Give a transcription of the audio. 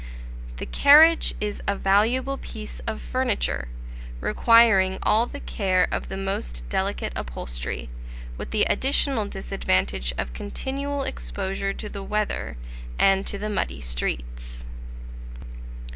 The carriage is a valuable piece of furniture, requiring all the care of the most delicate upholstery, with the additional disadvantage of continual exposure to the weather and to the muddy streets.